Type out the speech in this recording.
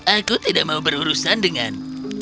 aku tidak mau berurusan dengan